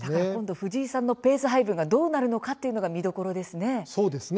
藤井さんのペース配分がどうなるのか見どころですね。